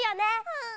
うん。